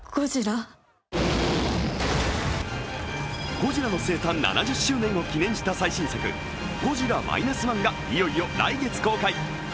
「ゴジラ」の生誕７０周年を記念した最新作、「ゴジラ−１．０」がいよいよ来月公開。